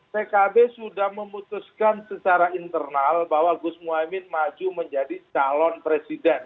pkb sudah memutuskan secara internal bahwa gus muhaymin maju menjadi calon presiden